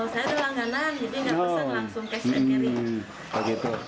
saya ada langganan jadi nggak pesan langsung kue kering